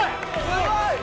すごい！